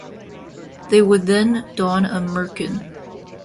They would then don a merkin.